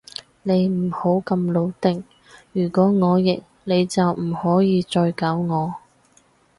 你唔好咁老定，如果我贏，你就唔可以再搞我